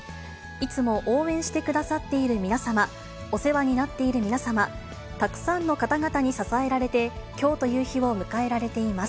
いつも応援してくださっている皆様、お世話になっている皆様、たくさんの方々に支えられて、きょうという日を迎えられています。